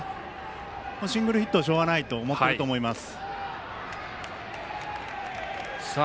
シングルヒットはしょうがないと思っていると思います。